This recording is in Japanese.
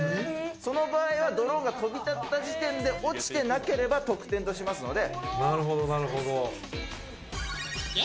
その場合はドローンが飛び立った時点で落ちてなければ得点としますので。